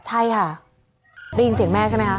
ใช่ค่ะได้ยินเสียงแม่ใช่ไหมคะ